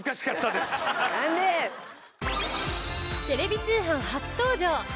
テレビ通販初登場！